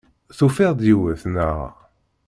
Tufiḍ-d yiwet, naɣ?